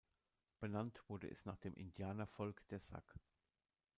Benannt wurde es nach dem Indianervolk der Sac.